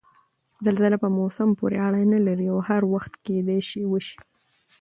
زلزله په موسم پورې اړنه نلري او هر وخت کېدای شي وشي؟